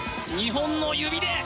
２本の指で。